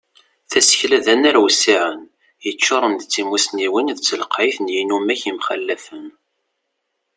Tasekla d anar wissiɛen, yeččuren d timusniwin d telqayt n yinumak yemxalafen.